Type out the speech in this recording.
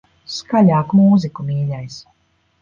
Skaļāk mūziku, mīļais.